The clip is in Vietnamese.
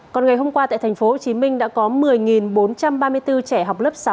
còn ngày hôm qua tại thành phố hồ chí minh đã có một mươi bốn trăm ba mươi bốn trẻ học lớp sáu